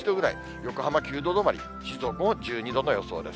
横浜９度止まり、静岡も１２度の予想です。